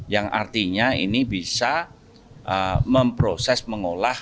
yang artinya ini bisa memproses mengolah